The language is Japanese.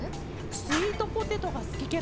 スイートポテトがすきケロ。